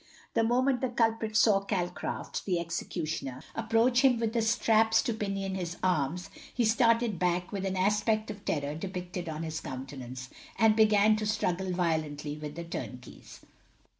The moment the culprit saw Calcraft, the executioner, approach him with the straps to pinion his arms, he started back with an aspect of terror depicted on his countenance, and began to struggle violently with the turnkeys.